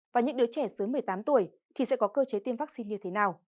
và những đứa trẻ dưới một mươi tám tuổi thì sẽ có cơ chế tiêm vaccine như thế nào